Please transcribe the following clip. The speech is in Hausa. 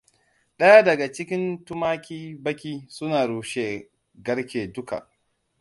Daya daga cikin tumaki baƙi suna rushe garke duka.